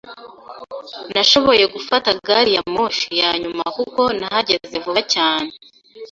Nashoboye gufata gari ya moshi ya nyuma kuko nahageze vuba cyane.